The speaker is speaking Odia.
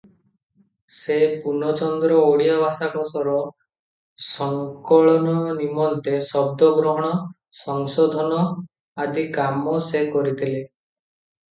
ସେ ପୂର୍ଣ୍ଣଚନ୍ଦ୍ର ଓଡ଼ିଆ ଭାଷାକୋଷର ସଂକଳନ ନିମନ୍ତେ ଶବ୍ଦସଂଗ୍ରହ, ସଂଶୋଧନ ଆଦି କାମ ସେ କରିଥିଲେ ।